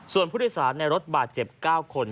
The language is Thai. ส่วนผู้โดยสารในรถบาดเจ็บ๙คน